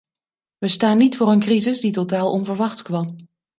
We staan niet voor een crisis die totaal onverwachts kwam.